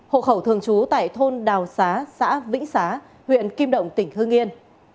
hộ khẩu thường trú tại thôn đào xá xã vĩnh xá huyện kim động tỉnh hương yên